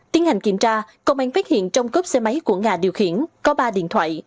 tiến hành kiểm tra công an phát hiện trong cốp xe máy của nga điều khiển có ba điện thoại